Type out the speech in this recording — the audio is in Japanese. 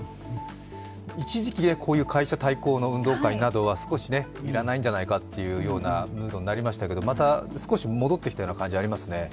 一時期、こういう会社対抗の運動会などは少し要らないんじゃないかというムードになりましたけど、また少し戻ってきたような感じありますよね。